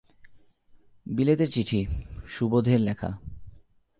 বিলেতের চিঠি, সুবোধের লেখা।